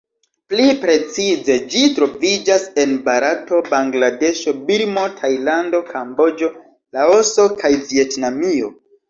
Pli precize ĝi troviĝas en Barato, Bangladeŝo, Birmo, Tajlando, Kamboĝo, Laoso kaj Vjetnamio.